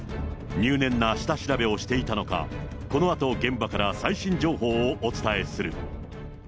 入念な下調べをしていたのか、このあと、現場から最新情報をお伝えする。